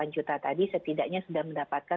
dua ratus delapan juta tadi setidaknya sudah mendapatkan